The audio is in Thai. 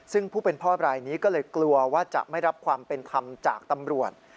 ซึ่งผู้เป็นพ่อบรายนี้ก็เลยกลัวว่าจะไม่รับความเป็นธรรมจากตำรวจ